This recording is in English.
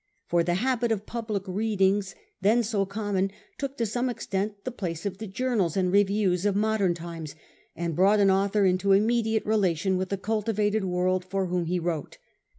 For the habit of public readings, then so common, took to some extent the place of the journals and reviews of modern times, and brought an author into im mediate relation with the cultivated world for whom he wrote.